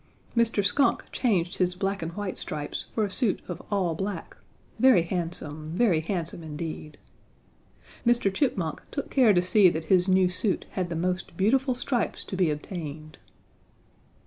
Mr. Skunk changed his black and white stripes for a suit of all black, very handsome, very handsome indeed. Mr. Chipmunk took care to see that his new suit had the most beautiful stripes to be obtained.